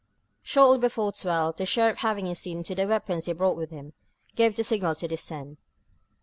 Shortly before twelve, the sheriff having seen to the weapons he brought with him, gave the signal to descend.